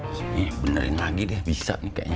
eh benerin lagi deh bisa nih kayaknya